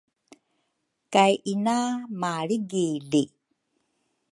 kay ina malrigili.